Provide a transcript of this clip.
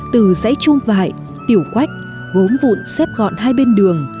từ dãy chung vại tiểu quách gốm vụn xếp gọn hai bên đường